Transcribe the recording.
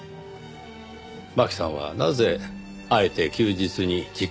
真希さんはなぜあえて休日に実験をしていたのか。